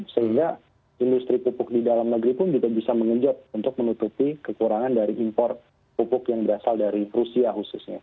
sehingga industri pupuk di dalam negeri pun juga bisa mengenjot untuk menutupi kekurangan dari impor pupuk yang berasal dari rusia khususnya